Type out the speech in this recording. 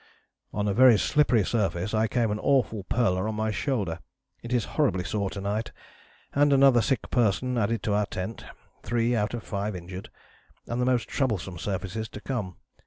"On a very slippery surface I came an awful 'purler' on my shoulder. It is horribly sore to night and another sick person added to our tent three out of five injured, and the most troublesome surfaces to come.